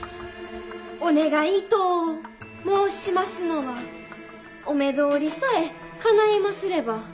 お願いと申しますのはお目通りさえかないますれば。